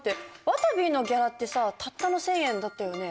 わたびのギャラってさたったの１，０００円だったよね？